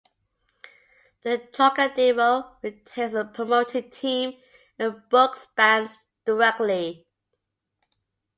The Trocadero retains a promoting team and books bands directly.